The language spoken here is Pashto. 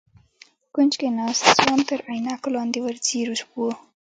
په کونج کې ناست ځوان تر عينکو لاندې ور ځير و.